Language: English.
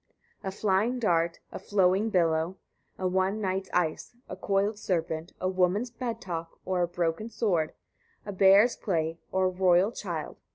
A flying dart, a falling billow, a one night's ice, a coiled serpent, a woman's bed talk, or a broken sword, a bear's play, or a royal child, 87.